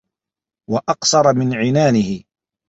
وَأَقْصَرَ مِنْ عِنَانِهِ